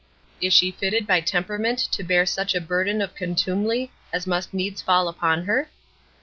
Is she fitted by temperament to bear such a burden of contumely as must needs fall upon her?